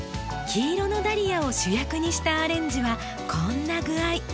黄色のダリアを主役にしたアレンジはこんな具合。